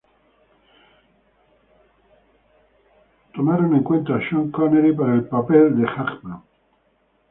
Sean Connery fue considerado para el papel que fue a Hackman.